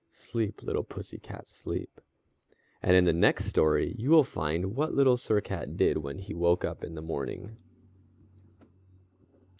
Sleep, little pussy cat, sleep._" And in the next story you will find what Little Sir Cat did when he woke up in the morning.